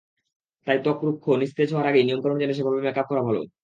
তাই ত্বক রুক্ষ নিস্তেজ হওয়ার আগেই নিয়মকানুন জেনে সেভাবে মেকআপ করা ভালো।